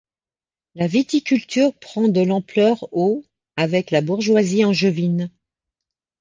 La viticulture prend de l'ampleur au avec la bourgeoisie angevine.